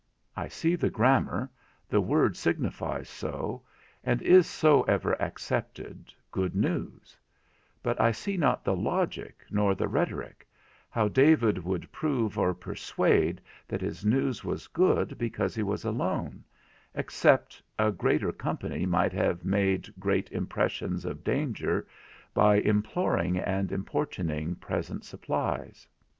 I see the grammar, the word signifies so, and is so ever accepted, good news; but I see not the logic nor the rhetoric, how David would prove or persuade that his news was good because he was alone, except a greater company might have made great impressions of danger, by imploring and importuning present supplies.